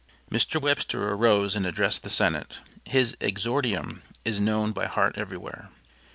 Mr. Webster arose and addressed the Senate. His exordium is known by heart everywhere.